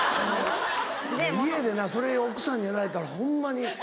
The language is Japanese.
家でなそれ奥さんにやられたらホンマに。